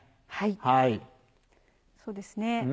はいそうですね。